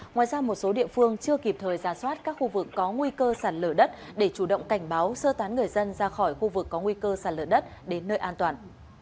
ngoài ra một số địa phương chưa kịp thời ra soát các khu vực có nguy cơ sản lở đất để chủ động cảnh báo sơ tán người dân ra khỏi khu vực có nguy cơ sạt lở đất đến nơi an toàn